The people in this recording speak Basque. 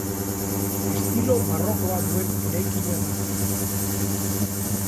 Estilo barrokoa duen eraikina da.